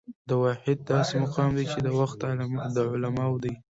دا واحد داسې مقام دى، چې د وخت د علامو دى